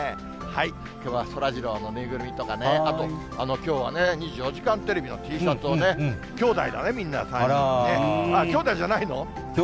きょうはそらジローの縫いぐるみとかね、あときょうはね、２４時間テレビのＴシャツを、きょうだいだね、みんな３人ね、きょうだいじゃないの？